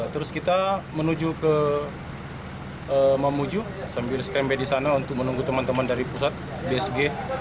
terus kita menuju ke mamuju sambil stand by di sana untuk menunggu teman teman dari pusat bsg